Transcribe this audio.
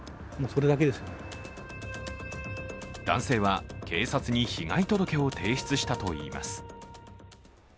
男性は警察に被害届を提出したといいます。